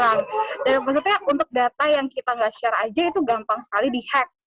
dan maksudnya untuk data yang kita gak share aja itu gampang sekali di hack